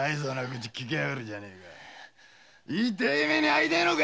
痛え目にあいてえのか！